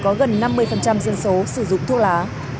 có gần năm mươi dân số sử dụng thuốc lá